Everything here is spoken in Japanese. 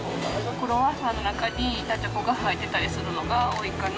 クロワッサンの中に板チョコが入ってたりするのが、多いかな。